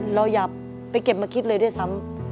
เราอยากไปเก็บมาคิดเลยด้วยซ้ำ